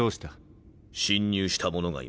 侵入した者がいます。